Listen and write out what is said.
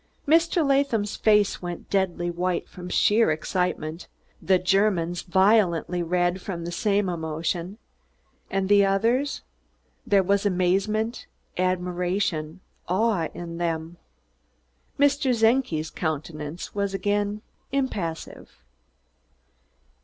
Mr. Latham's face went deathly white from sheer excitement, the German's violently red from the same emotion, and the others there was amazement, admiration, awe in them. Mr. Czenki's countenance was again impassive.